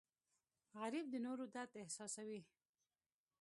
غریب د نورو درد احساسوي